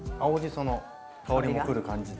その香りもくる感じで。